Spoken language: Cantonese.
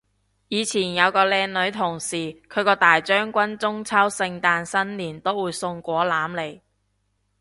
以前有個靚女同事，佢個大將軍中秋聖誕新年都會送果籃嚟